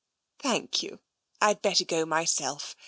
" Thank you. I'd better go myself.